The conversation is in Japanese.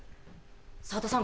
長田さん